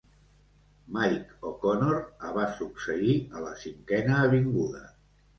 Mike O'Connor a "Va succeir a la Cinquena Avinguda".